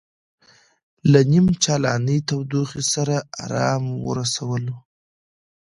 له نیم چالانې تودوخې سره ارام ورسولو.